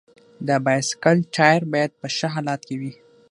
د بایسکل ټایر باید په ښه حالت کې وي.